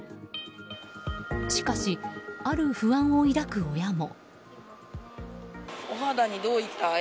しかし、ある不安を抱く親も。